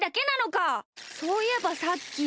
そういえばさっき。